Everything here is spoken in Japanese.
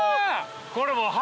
これもう。